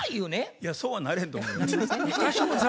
いやそうはなれへんと思うよ。